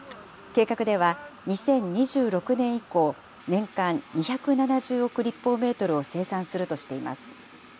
計画では、２０２６年以降、年間２７０億立方メートルを生産するとしています。